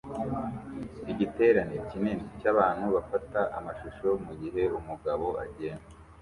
Igiterane kinini cyabantu bafata amashusho mugihe umugabo agenda